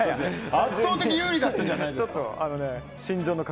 圧倒的有利だったじゃないですか。